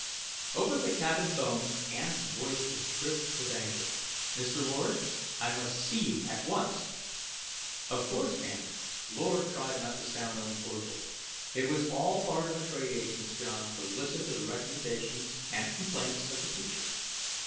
_ Over the cabin 'phone, Ann's voice was crisp with anger. "Mr. Lord, I must see you at once." "Of course, Ann." Lord tried not to sound uncordial. It was all part of a trade agent's job, to listen to the recommendations and complaints of the teacher.